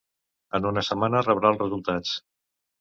En una setmana rebrà el resultats.